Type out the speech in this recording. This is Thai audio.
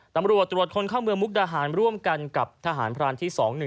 ตำรวจตรวจคนเข้าเมืองมุกดาหารร่วมกันกับทหารพรานที่๒๑